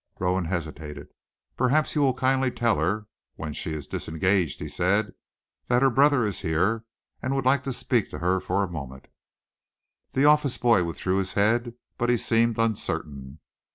Rowan hesitated. "Perhaps you will kindly tell her, when she is disengaged," he said, "that her brother is here, and would like to speak to her for a moment." The office boy withdrew his head, but he seemed uncertain.